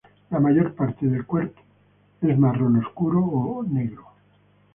La mayor parte del cuerpo es marrón oscuro o negro.